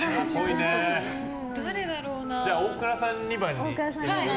じゃあ、大倉さん２番に。